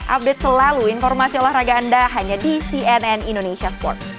update selalu informasi olahraga anda hanya di cnn indonesia sport